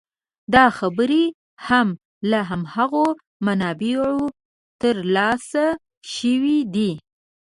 دا خبرې هم له هماغو منابعو تر لاسه شوې دي.